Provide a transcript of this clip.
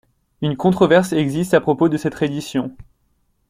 Une controverse existe à propos de cette reddition.